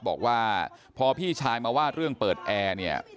บอกว่าพอพี่ชายมาว่าเรื่องเปิดแอร์เนี่ย